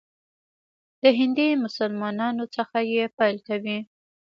د هندي مسلمانانو څخه یې پیل کوي.